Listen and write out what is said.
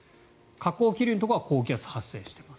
下降気流のところは高気圧が発生しています。